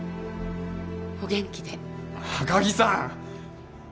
お元気で赤城さん